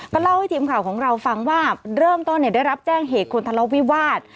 ก็เล่าให้ทีมข่าวของเราฟังว่าเริ่มต้นได้รับแจ้งเหตุคนทะเลาะวิวาส